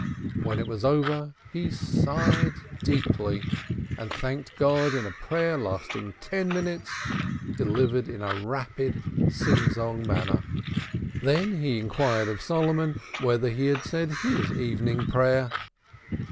When it was over he sighed deeply, and thanked God in a prayer lasting ten minutes, and delivered in a rapid, sing song manner. He then inquired of Solomon whether he had said his evening prayer.